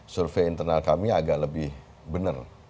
survei internal kami agak lebih benar